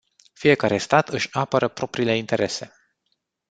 Fiecare stat își apără propriile interese.